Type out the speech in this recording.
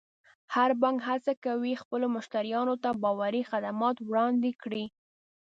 هر بانک هڅه کوي خپلو مشتریانو ته باوري خدمات وړاندې کړي.